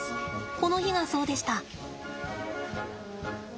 この日がそうでした。